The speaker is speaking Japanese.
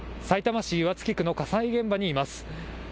さいたま市岩槻区の火災現場にいます。